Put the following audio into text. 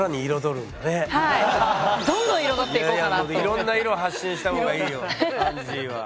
いろんな色発信したほうがいいよアンジーは。